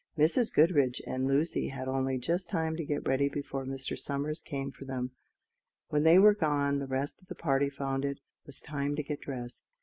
Mrs. Goodriche and Lucy had only just time to get ready before Mr. Somers came for them. When they were gone the rest of the party found it was time to get dressed.